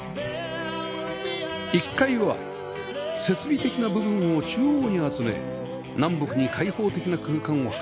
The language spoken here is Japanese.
１階は設備的な部分を中央に集め南北に開放的な空間を配置